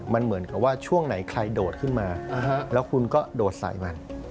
มันเหมือนกับว่าช่วงไหนใครโดดขึ้นมาแล้วคุณก็โดดใส่มัน